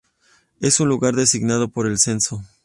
Es un lugar designado por el censo.